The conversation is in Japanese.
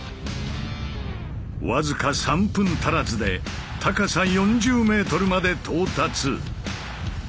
僅か３分足らずで高さ４０ｍまで到達。